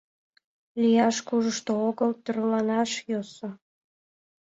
Лияш кужушто огыл, тӧрланаш йӧсӧ...